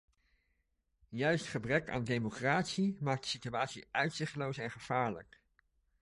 Juist gebrek aan democratie maakt de situatie uitzichtloos en gevaarlijk.